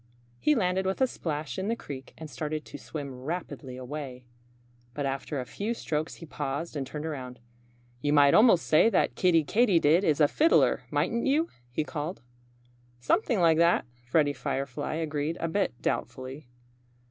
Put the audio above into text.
He landed with a splash in the creek and started to swim rapidly away. But after a few strokes he paused and turned around. "You might almost say that Kiddie Katydid is a fiddler, mightn't you?" he called. "Something like that!" Freddie Firefly agreed a bit doubtfully.